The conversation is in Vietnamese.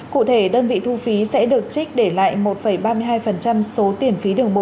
cụ thể đơn vị thu phí sẽ được trích để tăng thêm một mươi hai tỷ lệ tiền trích nhận lại từ nguồn thu phí sử dụng đường bộ